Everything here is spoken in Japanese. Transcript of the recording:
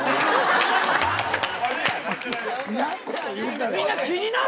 みんな。